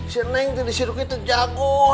si neng di situ kita jago